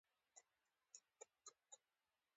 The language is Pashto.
موږ هم غوڅ کړل.